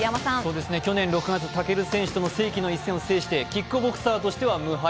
去年６月、武尊選手との世紀の一戦を制してキックボクサーとしては無敗。